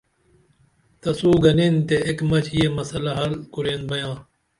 تسو گنین تے ایک مچ یہ مسلہ حل کُرین بیاں